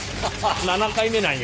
７回目なんや！